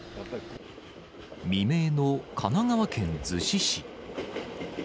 未明の神奈川県逗子市。